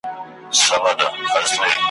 د دې مظلوم قام د ژغورني ,